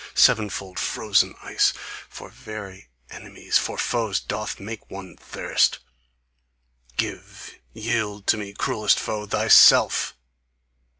seven fold frozen ice, For very enemies, For foes, doth make one thirst), Give, yield to me, Cruellest foe, THYSELF!